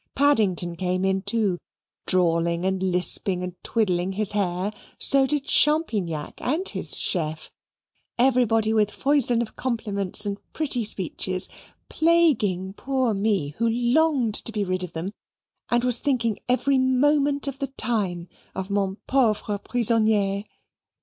Paddington came in, too, drawling and lisping and twiddling his hair; so did Champignac, and his chef everybody with foison of compliments and pretty speeches plaguing poor me, who longed to be rid of them, and was thinking every moment of the time of mon pauvre prisonnier.